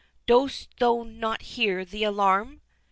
Dost thou not hear the alarm?"